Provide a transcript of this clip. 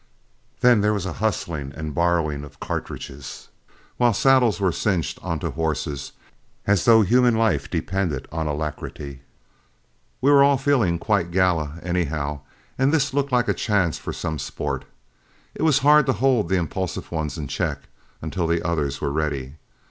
Then there was a hustling and borrowing of cartridges, while saddles were cinched on to horses as though human life depended on alacrity. We were all feeling quite gala anyhow, and this looked like a chance for some sport. It was hard to hold the impulsive ones in check until the others were ready.